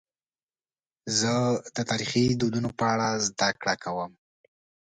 زه د تاریخي دودونو په اړه زدهکړه کوم.